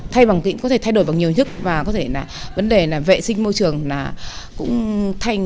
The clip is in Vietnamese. thay bằng có thể thay đổi bằng nhiều nhất và có thể là vấn đề là vệ sinh môi trường là cũng thay